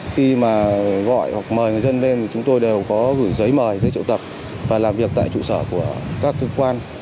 khi mà gọi hoặc mời người dân lên thì chúng tôi đều có gửi giấy mời giấy triệu tập và làm việc tại trụ sở của các cơ quan